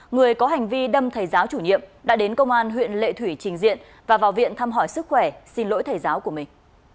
người có hành vi đâm thầy giáo chủ nhiệm đã đến công an huyện lệ thủy trình diện và vào viện thăm hỏi sức khỏe xin lỗi thầy giáo của mình